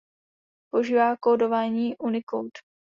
Používá kódování Unicode.